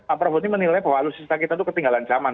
apalagi menilai bahwa alutsista kita itu ketinggalan zaman